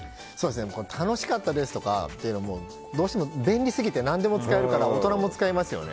楽しかったですとかってのはどうしても便利すぎて何でも使えるから大人も使いますよね。